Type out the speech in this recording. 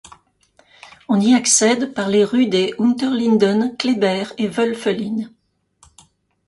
On y accède par les rues des Unterlinden, Kléber et Woelfelin.